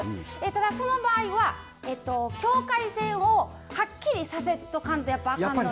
その場合は境界線をはっきりさせとかんとあかんと。